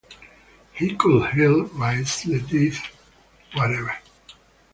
He could heal, raise the dead, whatever.